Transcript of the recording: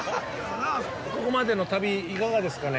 ここまでの旅いかがですかね？